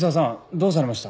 どうされました？